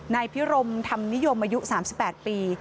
นายพิรมธรรมนิยมอายุ๓๘ปี